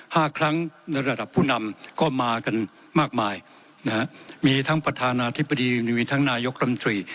ห้าครั้งในระดับผู้นำก็มากันมากมายนะฮะมีทั้งประธานาธิบดีมีทั้งนายกรัมตรี